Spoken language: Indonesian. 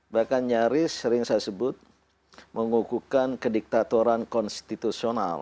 bahkan nyaris sering saya sebut mengukuhkan kediktatoran konstitusional